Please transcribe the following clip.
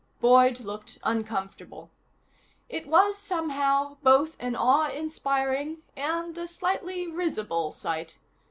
Boyd looked uncomfortable. It was, somehow, both an awe inspiring and a slightly risible sight.